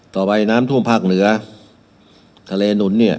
ต่อไปน้ำท่วมภาคเหนือทะเลนุ้น